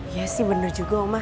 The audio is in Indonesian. ya sih benar juga omah